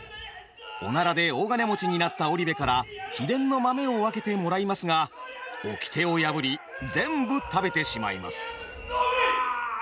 おならで大金持ちになった織部から秘伝の豆を分けてもらいますがおきてを破り全部食べてしまいます。